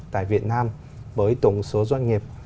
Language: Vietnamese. tại việt nam với tổng số doanh nghiệp